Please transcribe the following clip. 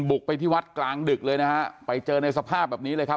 บุกไปที่วัดกลางดึกเลยนะฮะไปเจอในสภาพแบบนี้เลยครับ